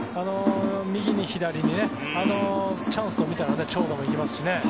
右に左に、チャンスとみたら長打も打てますし。